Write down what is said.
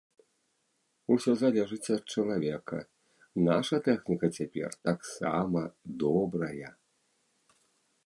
Усё залежыць ад чалавека, наша тэхніка цяпер таксама добрая.